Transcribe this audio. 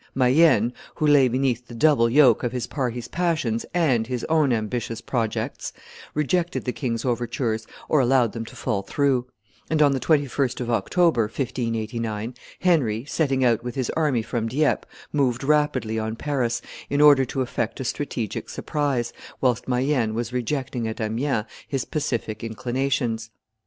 Mayenne, who lay beneath the double yoke of his party's passions and his own ambitious projects, rejected the king's overtures, or allowed them to fall through; and on the 21st of October, 1589, Henry, setting out with his army from Dieppe, moved rapidly on Paris, in order to effect a strategic surprise, whilst Mayenne was rejecting at Amiens his pacific inclinations.